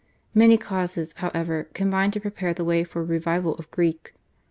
Many causes, however, combined to prepare the way for a revival of Greek.